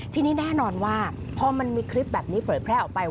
ที่นี่แน่นอนว่า